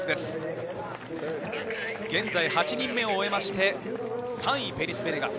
現在、８人目を終えて、３位のペリス・ベネガス。